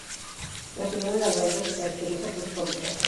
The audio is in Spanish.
La ciudad de Arriaga se caracteriza por su fabricación.